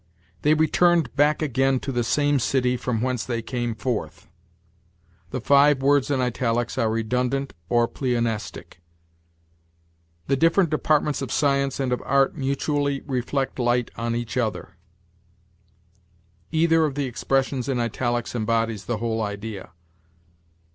"They returned back again to the same city from whence they came forth": the five words in italics are redundant or pleonastic. "The different departments of science and of art mutually reflect light on each other": either of the expressions in italics embodies the whole idea.